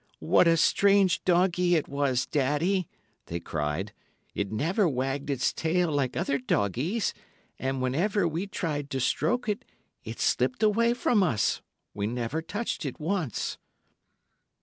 "What a strange doggy it was, Daddy!" they cried; "it never wagged its tail, like other doggies, and whenever we tried to stroke it, it slipped away from us—we never touched it once."